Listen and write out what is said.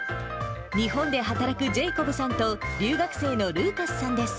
日本で働くジェイコブさんと、留学生のルーカスさんです。